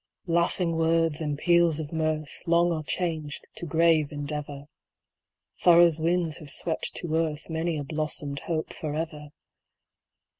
"Laughing words and peals of mirth, Long are changed to grave endeavor; Sorrow's winds have swept to earth Many a blossomed hope forever.